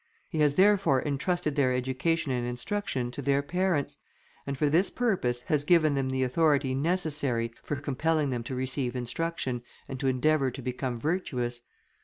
He has, therefore, intrusted their education and instruction to their parents, and for this purpose has given them the authority necessary for compelling them to receive instruction, and to endeavour to become virtuous.